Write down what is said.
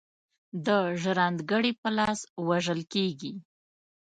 د ژرند ګړي په لاس وژل کیږي.